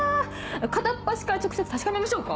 片っ端から直接確かめましょうか？